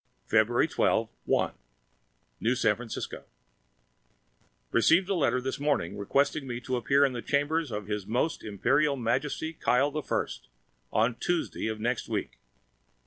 February 12, 1 New San Francisco Received a letter this morning, requesting me to appear at the chambers of His Most Imperial Majesty, Kyle the First, on Tuesday of next week.